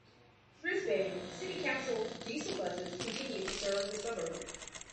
Brisbane City Council diesel buses continue to serve the suburb.